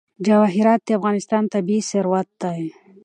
جواهرات د افغانستان طبعي ثروت دی.